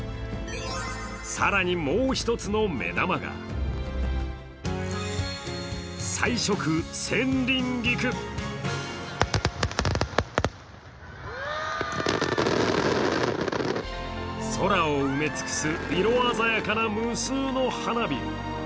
更にもう一つの目玉が空を埋め尽くす色鮮やかな無数の花火。